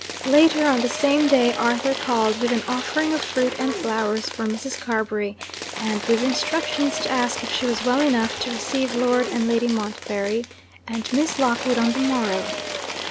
Later on the same day, Arthur called with an offering of fruit and flowers for Mrs. Carbury, and with instructions to ask if she was well enough to receive Lord and Lady Montbarry and Miss Lockwood on the morrow.